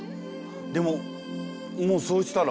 でももうそうしたら。